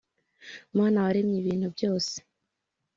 Mana waremye ibintu byose